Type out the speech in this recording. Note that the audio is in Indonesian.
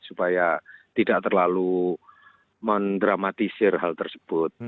supaya tidak terlalu mendramatisir hal tersebut